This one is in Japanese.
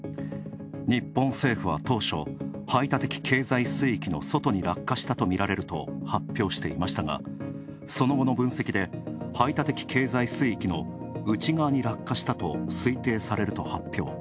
日本政府は当初、排他的経済水域の外に落下したと発表していましたがその後の分析で、排他的経済水域の内側に落下したと推定されると発表。